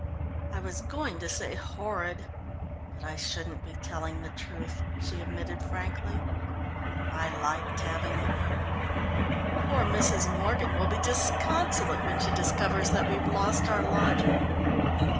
"I was going to say horrid, but I shouldn't be telling the truth," she admitted frankly. "I liked having you there. Poor Mrs. Morgan will be disconsolate when she discovers that we've lost our lodger."